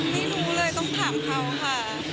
ไม่รู้เลยต้องถามเขาค่ะ